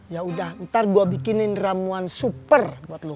yaudah ntar gua bikinin ramuan super buat lu